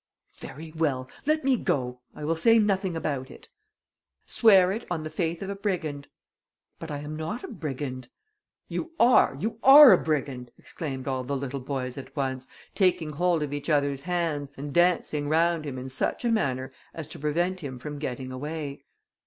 "Very well! Let me go; I will say nothing about it." "Swear it on the faith of a brigand." "But I am not a brigand." "You are, you are a brigand," exclaimed all the little boys at once, taking hold of each other's hands, and dancing round him in such a manner as to prevent him from getting away.